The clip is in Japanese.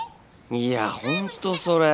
いや本当それ！